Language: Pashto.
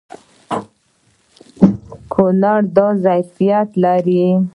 کونړ دا ظرفیت لري.